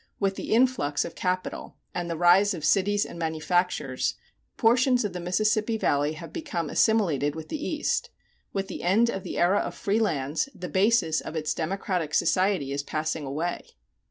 With the influx of capital, and the rise of cities and manufactures, portions of the Mississippi Valley have become assimilated with the East. With the end of the era of free lands the basis of its democratic society is passing away.